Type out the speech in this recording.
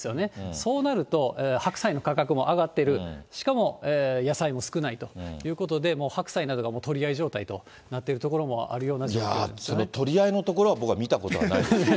そうなると、白菜の価格も上がってる、しかも野菜も少ないということで、もう白菜などが取り合い状態となっているところもあるような状況取り合いのところは僕は見たことがないです。